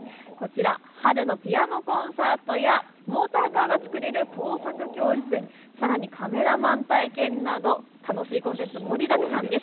春のピアノコンサートやモーターカーが作れる工作教室、さらにカメラマン体験など楽しいコンテンツ盛りだくさんです。